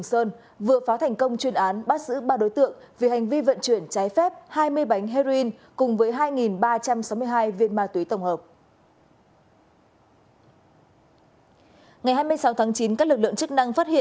xin chào và hẹn gặp lại